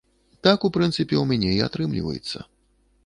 Так, у прынцыпе, у мяне і атрымліваецца.